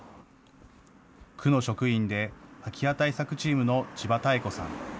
区の職員で空き家対策チームの千葉妙子さん。